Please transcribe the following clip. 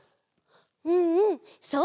うんうんそう！